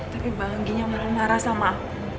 tapi mbak angginya malah marah sama aku